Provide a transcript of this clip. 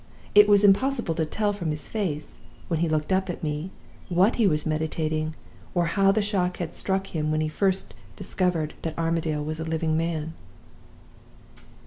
It was impossible to tell from his face, when he looked up at me, what he was meditating, or how the shock had struck him when he first discovered that Armadale was a living man.